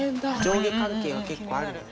上下関係は結構あるの？